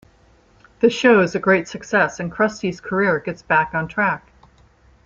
The show is a great success and Krusty's career gets back on track.